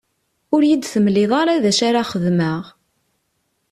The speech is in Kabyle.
Ur iyi-d-temliḍ ara d acu ara xedmeɣ.